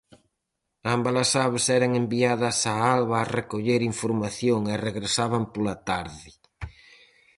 Ambas as aves eran enviadas á alba a recoller información e regresaban pola tarde.